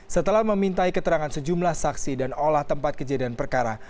setelah memintai keterangan sejumlah saksi dan olah tempat kejadian perkara